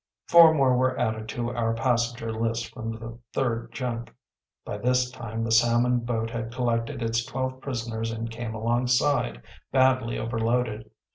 Four more were added to our passenger list from the third junk. By this time the salmon boat had collected its twelve prisoners and came alongside, badly overloaded.